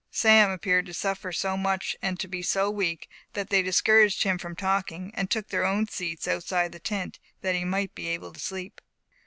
Sam appeared to suffer so much and to be so weak, that they discouraged him from talking, and took their own seats outside the tent, that he might be able to sleep.